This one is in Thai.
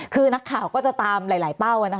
คือนักข่าวก็จะตามหลายเป้า